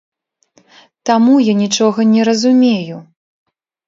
Таму я нічога не разумею.